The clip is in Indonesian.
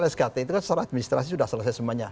skt itu kan secara administrasi sudah selesai semuanya